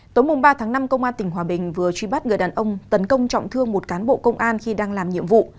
tối ba tháng năm công an tỉnh hòa bình vừa truy bắt người đàn ông tấn công trọng thương một cán bộ công an khi đang làm nhiệm vụ